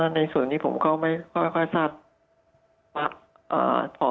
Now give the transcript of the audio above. ในส่วนที่ผมเข้าไม่ค่อยส้าตรด